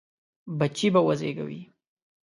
بچي به وزېږوي.